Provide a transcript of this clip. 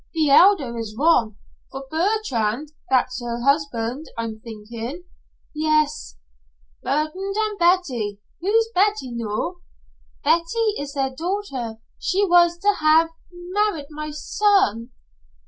'The Elder is wrong, for Bertrand' that's her husband, I'm thinkin' ?" "Yes." "'Bertrand and Betty, ' Who's Betty, noo?" "Betty is their daughter. She was to have married my son."